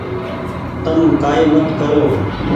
تم ڪآئي مت ڪرو ۔